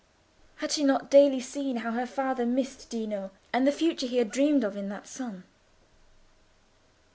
Had she not daily seen how her father missed Dino and the future he had dreamed of in that son?